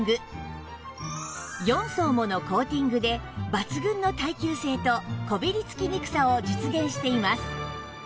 ４層ものコーティングで抜群の耐久性とこびりつきにくさを実現しています